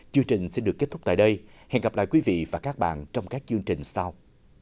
chương trình sẽ được kết thúc tại đây hẹn gặp lại quý vị và các bạn trong các chương trình sau